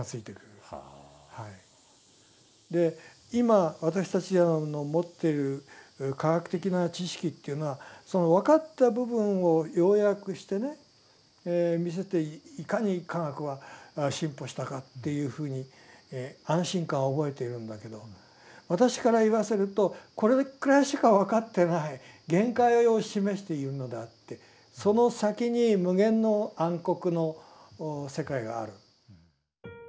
で今私たちが持っている科学的な知識というのはその分かった部分を要約してね見せていかに科学は進歩したかっていうふうに安心感を覚えているんだけど私から言わせるとこれくらいしか分かってない限界を示しているのであってその先に無限の暗黒の世界がある。